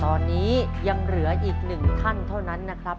ตอนนี้ยังเหลืออีกหนึ่งท่านเท่านั้นนะครับ